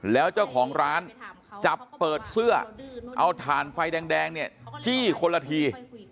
แล้วเจ้าของร้านจับเปิดเสื้อเอาถ่านไฟแดงเนี่ยจี้คนละที